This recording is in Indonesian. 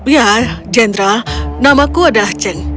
ya general namaku adalah ceng